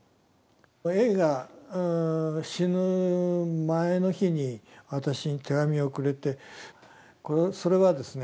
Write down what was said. Ａが死ぬ前の日に私に手紙をくれてそれはですね